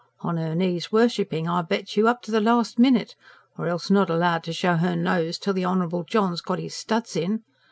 "On her knees worshipping, I bet you, up to the last minute! Or else not allowed to show her nose till the Honourable John's got his studs in.